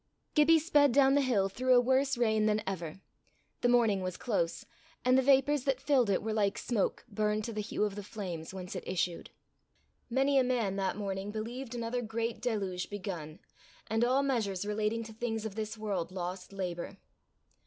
Gibbie sped down the hill through a worse rain than ever. The morning was close, and the vapours that filled it were like smoke burned to the hue of the flames whence it issued. Many a man that morning believed another great deluge begun, and all measures relating to things of this world lost labour.